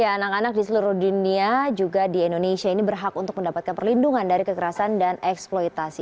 ya anak anak di seluruh dunia juga di indonesia ini berhak untuk mendapatkan perlindungan dari kekerasan dan eksploitasi